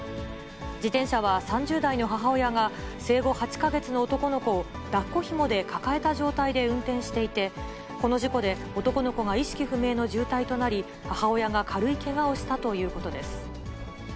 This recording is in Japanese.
自転車は３０代の母親が生後８か月の男の子をだっこひもで抱えた状態で運転していて、この事故で男の子が意識不明の重体となり、母親が軽いけがをしたということです。